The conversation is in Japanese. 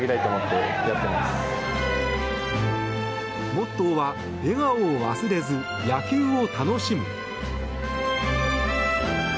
モットーは笑顔を忘れず野球を楽しむ。